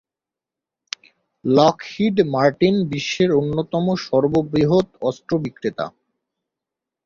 Lockheed Martin বিশ্বের অন্যতম সর্ববৃহৎ অস্ত্র বিক্রেতা।